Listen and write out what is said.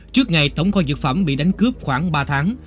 trước ngày tổng kho dược phẩm bị đánh cướp khoảng ba tháng